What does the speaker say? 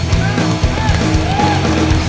ไม่ปล่อยกระชุมหวัง